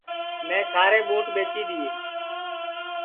میں سارے ٻُوٹ ٻیچی دؔیئے